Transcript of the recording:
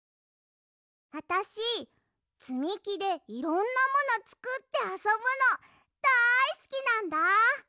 あたしつみきでいろんなものつくってあそぶのだいすきなんだ！